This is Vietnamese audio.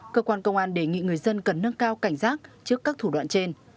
cơ quan công an đề nghị người dân cần nâng cao cảnh giác trước các thủ đoạn trên